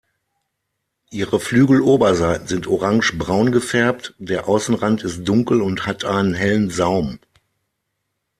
Ihre Flügeloberseiten sind orangebraun gefärbt, der Außenrand ist dunkel und hat einen hellen Saum.